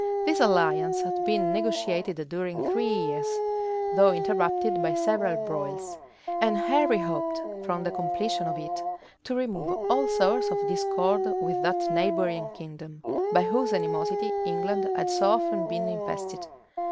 This alliance had been negotiated during three years, though interrupted by several broils; and Henry hoped, from the completion of it, to remove all source of discord with that neighboring kingdom, by whose animosity England had so often been infested.